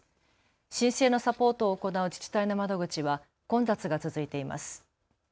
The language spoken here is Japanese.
申請のサポートを行う自治体の窓口は混雑が続いています。